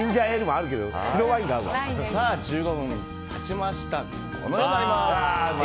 １５分経ちました。